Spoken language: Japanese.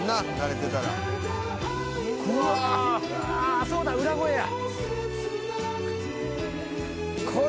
あそうだ裏声や。